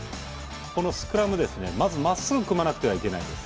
このスクラムまずまっすぐ組まなくてはいけないんです。